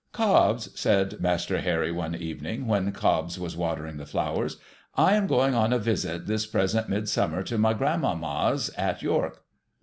' Cobbs,' said Master Harry, one evening, when Cobbs was watering the flowers, 'I am going on a visit, this present Mid summer, to my grandmamma's at York.'